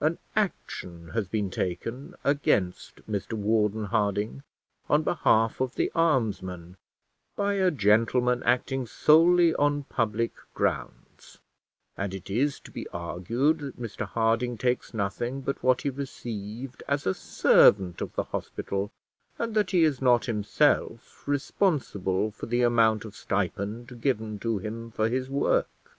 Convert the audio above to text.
An action has been taken against Mr Warden Harding, on behalf of the almsmen, by a gentleman acting solely on public grounds, and it is to be argued that Mr Harding takes nothing but what he received as a servant of the hospital, and that he is not himself responsible for the amount of stipend given to him for his work.